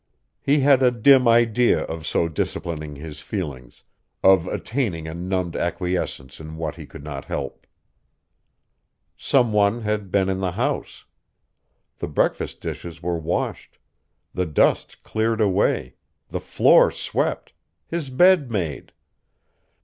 He had a dim idea of so disciplining his feelings, of attaining a numbed acquiescence in what he could not help. Some one had been in the house. The breakfast dishes were washed, the dust cleared away, the floor swept, his bed made.